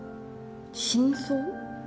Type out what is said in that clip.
真相？